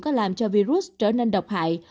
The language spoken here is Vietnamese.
có làm cho virus trở nên độc hại